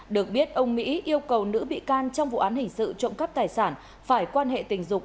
được biết ông mỹ yêu cầu nữ bị can trong vụ án hình sự trộm cắp tài sản phải quan hệ tình dục